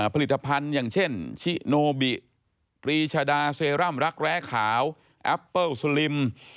ผลิตภัณฑ์อย่างเช่นชิโนบิปรีชาดาเซรั่มรักแร้ขาวแอปเปิ้ลสลิม